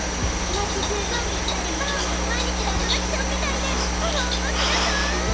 町じゅうゾンビになれば毎日がアトラクションみたいで面白そう！